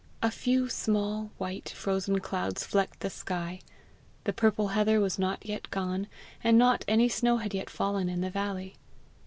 A few small, white, frozen clouds flecked the sky. The purple heather was not yet gone, and not any snow had yet fallen in the valley.